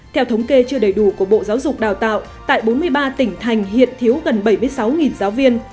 theo thống kê chưa đầy đủ của bộ giáo dục đào tạo tại bốn mươi ba tỉnh thành hiện thiếu gần bảy mươi sáu giáo viên